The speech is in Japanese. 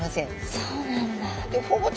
そうなんだ。